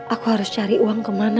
aku harus cari uang kemana